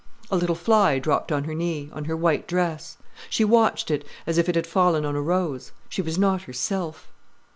A little fly dropped on her knee, on her white dress. She watched it, as if it had fallen on a rose. She was not herself.